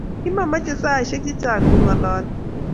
kimamachei saisiek chechang kongalale